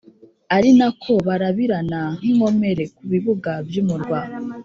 ari na ko barabirana nk’inkomere ku bibuga by’umurwa,